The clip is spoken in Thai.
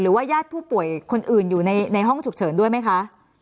ญาติผู้ป่วยคนอื่นอยู่ในห้องฉุกเฉินด้วยไหมคะ